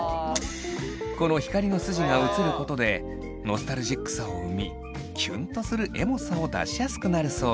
この光の筋が写ることでノスタルジックさを生みキュンとするエモさを出しやすくなるそうです。